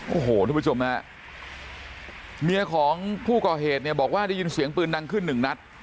โอ้โหทุกผู้ชมฮะเมียของผู้ก่อเหตุเนี่ยบอกว่าได้ยินเสียงปืนดังขึ้นหนึ่งนัด